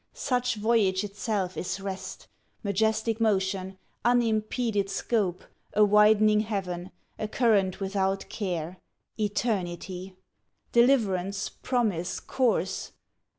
Such voyage itself is rest, Majestic motion, unimpeded scope, A widening heaven, a current without care, Eternity! deliverance, promise, course!